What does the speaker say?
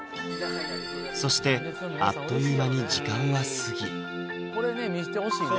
そしてあっという間に時間は過ぎこれね見してほしいね